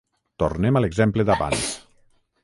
Tornem a l’exemple d’abans.